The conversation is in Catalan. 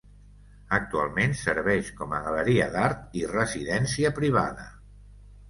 Actualment serveix com a galeria d'art i residència privada.